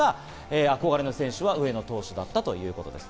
憧れの選手は上野投手ということですね。